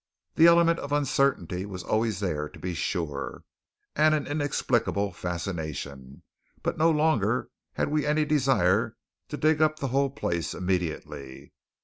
The element of uncertainty was always there, to be sure; and an inexplicable fascination; but no longer had we any desire to dig up the whole place immediately.